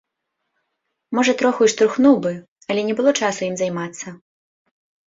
Можа троху і штурхнуў бы, але не было часу ім займацца.